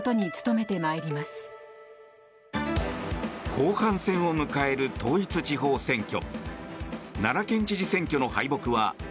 後半戦を迎える統一地方選挙。